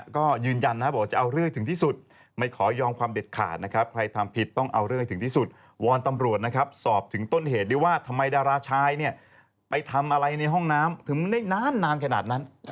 ก็ยืนยันนะครับบอกจะเอาเรื่องถึงที่สุด